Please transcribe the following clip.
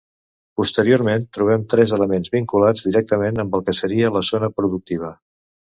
Posteriorment trobem tres elements vinculats directament amb el que seria la zona productiva.